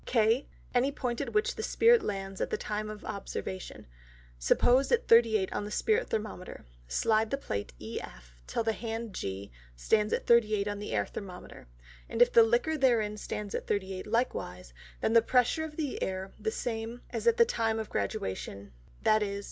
K, any Point at which the Spirit stands at the time of Observation; suppose at 38 on the Spirit Thermometer; Slide the Plate EF till the Hand G stand at 38 on the Air Thermometer, and if the Liquor therein stand at 38 likewise, then is the pressure of the Air the same as at the time of Graduation, _viz.